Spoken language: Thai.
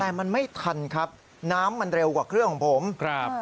แต่มันไม่ทันครับน้ำมันเร็วกว่าเครื่องของผมครับ